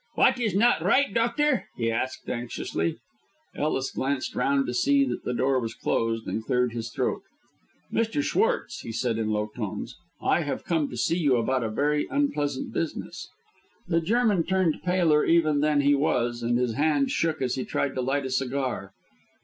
"What is not right, doctor?" he asked anxiously. Ellis glanced round to see that the door was closed, and cleared his throat. "Mr. Schwartz," he said in low tones, "I have come to see you about a very unpleasant business." The German turned paler even than he was, and his hand shook as he tried to light a cigar.